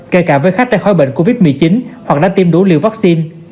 kể cả với khách đã khói bệnh covid một mươi chín hoặc đã tiêm đủ liều vaccine